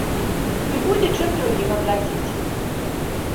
І будзе чым другім аплаціць.